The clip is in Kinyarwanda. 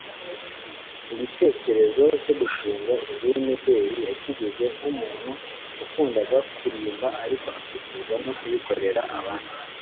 Igitekerezo cyo gushinga inzu y’imideli yakigize nk’umuntu wakundaga kurimba ariko akifuza no kubikorera abandi